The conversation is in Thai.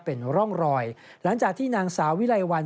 เป็นร่องรอยหลังจากที่นางสาววิไลวัน